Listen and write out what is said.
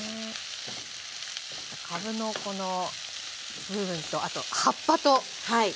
かぶのこの部分とあと葉っぱとね。